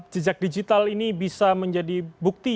jejak digital ini bisa menjadi bukti